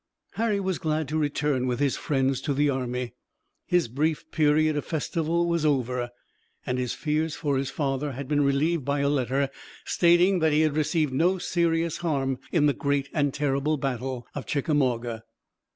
Harry was glad to return with his friends to the army. His brief period of festival was over, and his fears for his father had been relieved by a letter, stating that he had received no serious harm in the great and terrible battle of Chickamauga.